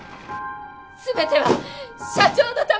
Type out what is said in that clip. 全ては社長のために！